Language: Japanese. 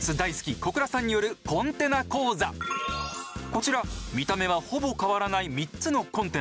こちら見た目はほぼ変わらない３つのコンテナ。